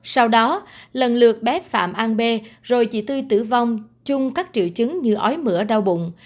sau đó lần lượt bé phạm an bê rồi chị tư tử vong chung các triệu chứng như ói mỡ đau bụng